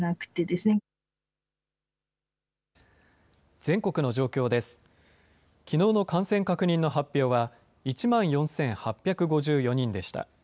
きのうの感染確認の発表は、１万４８５４人でした。